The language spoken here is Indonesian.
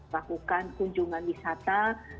lakukan kunjungan wisata